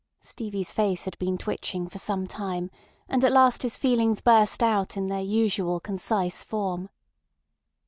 Stevie's face had been twitching for some time, and at last his feelings burst out in their usual concise form.